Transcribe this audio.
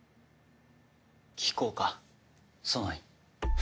聞こうかソノイ。